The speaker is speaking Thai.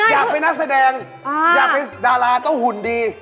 อยากเป็นนักแสดงอยากเป็นดาราต้องหุ่นดี